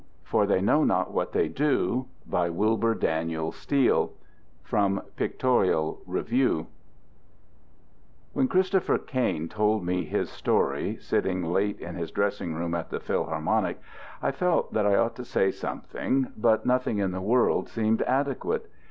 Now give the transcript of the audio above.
"FOR THEY KNOW NOT WHAT THEY DO" BY WILBUR DANIEL STEELE From Pictorial Review When Christopher Kain told me his story, sitting late in his dressing room at the Philharmonic I felt that I ought to say something, but nothing in the world seemed adequate.